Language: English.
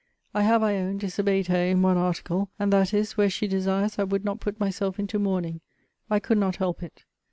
I have, I own, disobeyed her in one article; and that is, where she desires I would not put myself into mourning. I could not help it.